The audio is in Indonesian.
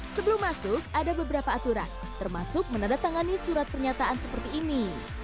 sebelum masuk ada beberapa aturan termasuk menandatangani surat pernyataan seperti ini